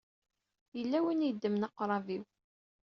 Yella win i yeddmen aqṛab-iw.